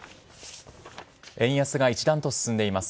円安が一段と進んでいます。